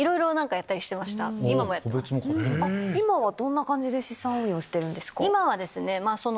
今はどんな感じで資産運用してるんですか？